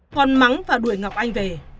còn mắng và đuổi ngọc anh về